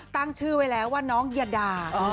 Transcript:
ตั้งชื่อไว้แล้วว่าน้องยาดา